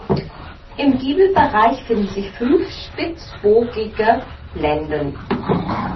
Im Giebelbereich finden sich fünf spitzbogige Blenden.